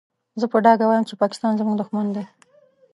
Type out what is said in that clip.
زه په ډاګه وايم چې پاکستان زموږ دوښمن دی.